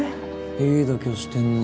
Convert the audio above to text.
いい度胸してんな。